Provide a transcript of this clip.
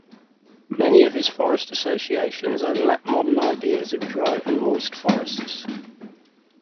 Many of his forest associations overlap modern ideas of dry and moist forests.